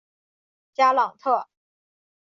加朗特。